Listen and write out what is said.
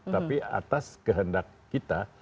tapi atas kehendak kita